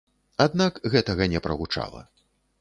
Аднак гэтага не прагучала.